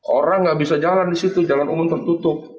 orang nggak bisa jalan di situ jalan umum tertutup